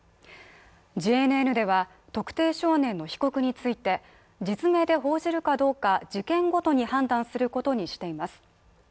ＪＮＮでは、特定少年の被告について実名で報じるかどうか事件ごとに判断することにしています。